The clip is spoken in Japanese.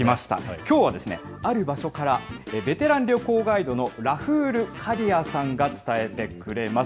きょうはですね、ある場所から、ベテラン旅行ガイドのラフール・カリアさんが伝えてくれます。